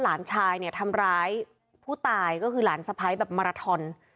หลานชายเนี่ยทำร้ายผู้ตายก็คือหลานสะพ้ายแบบมาราทอน